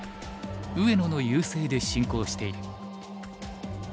上野の優勢で進行している。